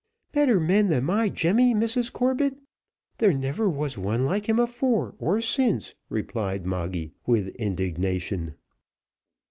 "Better men than my Jemmy, Mrs Corbett! There never was one like him afore or since;" replied Moggy, with indignation.